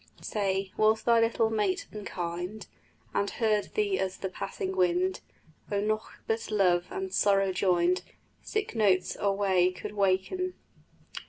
Say, was thy little mate unkind, And heard thee as the passing wind? O nocht but love and sorrow joined Sic notes o' wae could waken!